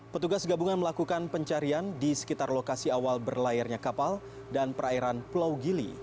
petugas gabungan melakukan pencarian di sekitar lokasi awal berlayarnya kapal dan perairan pulau gili